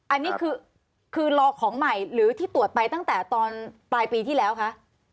อันนี้คือรอของใหม่หรือที่ตรวจไปตั้งแต่ตอนปลายปีที่แล้วคะ